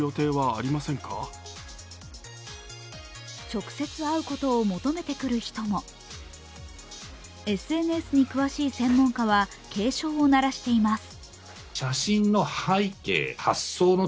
直接、会うことを求めてくる人もＳＮＳに詳しい専門家は警鐘を鳴らしています。